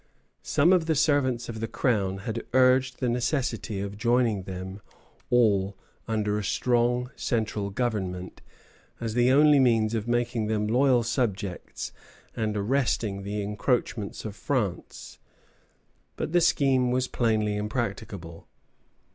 Some of the servants of the Crown had urged the necessity of joining them all under a strong central government, as the only means of making them loyal subjects and arresting the encroachments of France; but the scheme was plainly impracticable.